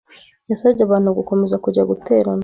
yasabye abantu gukomeza kujya guterana